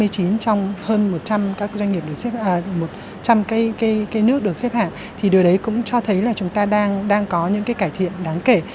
trong hơn một trăm linh cái nước được xếp hạng thì điều đấy cũng cho thấy là chúng ta đang có những cái cải thiện đáng kể